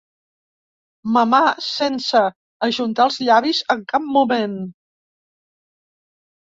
Mamar sense ajuntar els llavis en cap moment.